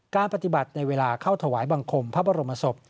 การปฏิบัติในเวลาเข้าถวายบังคมพระบรมศพ